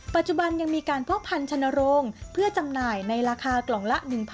ปัจจุบันยังมีการพ่อพันธุ์ชนโรง